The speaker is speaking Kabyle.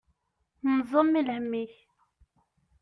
Nẓem i lhem-ik.